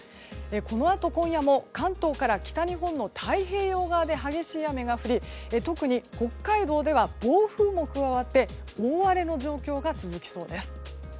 このあと今夜も関東から北日本の太平洋側で激しい雨が降り特に北海道では暴風も加わって大荒れの状況が続きそうです。